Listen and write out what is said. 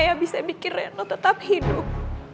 saya bisa bikin reno tetap hidup